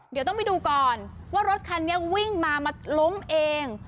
เดี๋ยวต้องไปดูก่อนว่ารถคันนี้วิ่งมามาล้มเอง